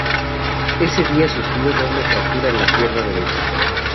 Ese día sufrió doble fractura de la pierna derecha.